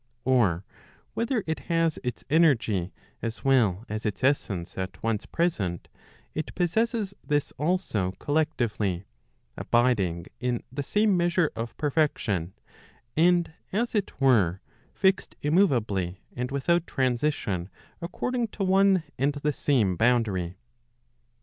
Or whether it has its energy as well as its essence at once present, it possesses this also collectively, abiding in the same measure of perfection, and as it were, fixed immoveably and without transition according to one and the same boundary.